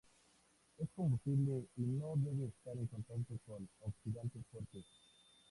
Es combustible y no debe estar en contacto con oxidantes fuertes.